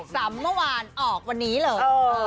ดั่งต่อเมื่อวานออกวันนี้หรือ